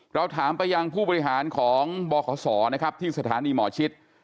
เราถามไปยังผู้บริหารของบสที่สถานีหมอชิต